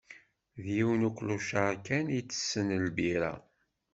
D yiwen uklucaṛ kan itessen lbira.